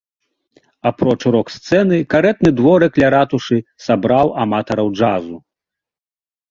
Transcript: Апроч рок-сцэны карэтны дворык ля ратушы сабраў аматараў джазу.